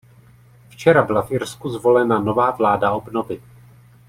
Včera byla v Irsku zvolena nová vláda obnovy.